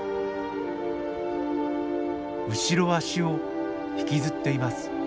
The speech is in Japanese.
後ろ足を引きずっています。